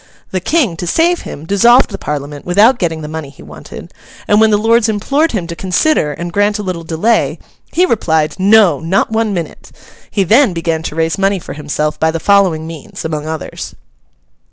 The King, to save him, dissolved the Parliament without getting the money he wanted; and when the Lords implored him to consider and grant a little delay, he replied, 'No, not one minute.' He then began to raise money for himself by the following means among others.